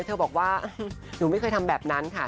เธอบอกว่าหนูไม่เคยทำแบบนั้นค่ะ